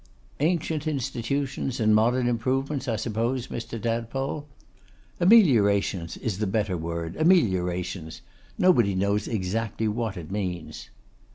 'Ancient institutions and modern improvements, I suppose, Mr. Tadpole?' 'Ameliorations is the better word, ameliorations. Nobody knows exactly what it means.